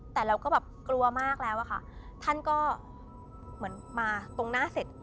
แต่เราก็แบบกลัวมากแล้วอะค่ะท่านก็เหมือนมาตรงหน้าเสร็จ